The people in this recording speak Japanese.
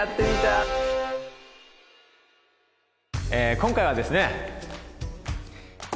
今回はですね。